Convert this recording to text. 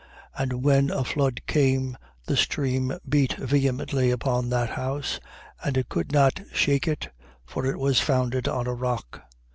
And when a flood came, the stream beat vehemently upon that house: and it could not shake it: for it was founded on a rock.